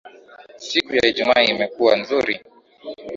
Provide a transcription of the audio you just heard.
Siku ya ijumaa imekuwa nzuri